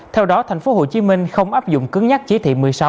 theo đó tp hcm không áp dụng cứng nhắc chỉ thị một mươi sáu